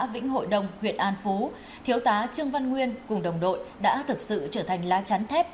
trường công an xã vĩnh hội đông huyện an phú thiếu tá trương văn nguyên cùng đồng đội đã thực sự trở thành lá chán thép